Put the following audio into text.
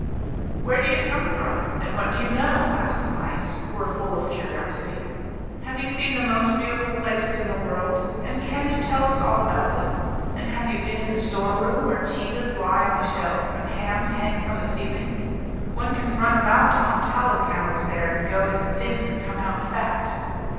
"Where do you come from? and what do you know?" asked the mice, who were full of curiosity. "Have you seen the most beautiful places in the world, and can you tell us all about them? and have you been in the storeroom, where cheeses lie on the shelf, and hams hang from the ceiling? One can run about on tallow candles there, and go in thin and come out fat."